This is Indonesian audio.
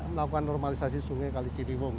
melakukan normalisasi sungai kalijirimung